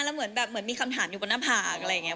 แล้วเหมือนแบบเหมือนมีคำถามอยู่บนหน้าผากอะไรอย่างนี้